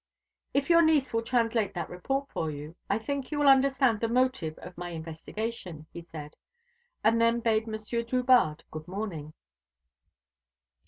"If your niece will translate that report for you, I think you will understand the motive of my investigation," he said; and then bade Monsieur Drubarde good morning.